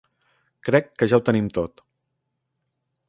Crec que ja ho tenim tot.